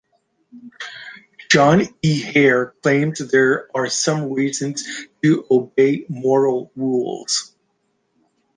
John E. Hare claims there are some reasons to obey moral rules.